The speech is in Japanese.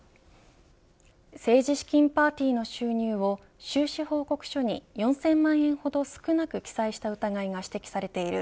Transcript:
政治資金パーティーの収入を収支報告書に、４０００万円ほど少なく記載した疑いが指摘されている